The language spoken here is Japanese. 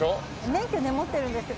免許ね持ってるんですけど。